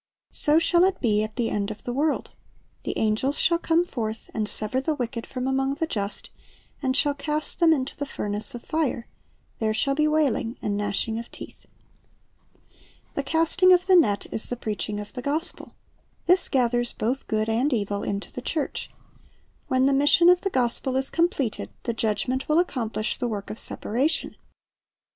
So shall it be at the end of the world: the angels shall come forth, and sever the wicked from among the just, and shall cast them into the furnace of fire: there shall be wailing and gnashing of teeth." The casting of the net is the preaching of the gospel. This gathers both good and evil into the church. When the mission of the gospel is completed, the Judgment will accomplish the work of separation.